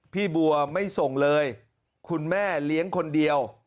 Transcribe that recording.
พี่บัวไม่ส่งเลยคุณแม่เลี้ยงคนเดียว